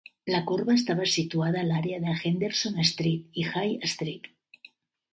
La corba estava situada a l"àrea de Henderson Street i Jay Street.